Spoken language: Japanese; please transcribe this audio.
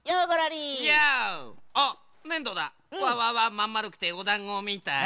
まんまるくておだんごみたい。